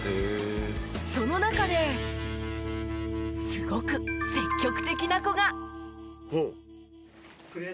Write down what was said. その中ですごく積極的な子が。